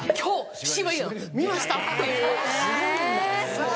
そう。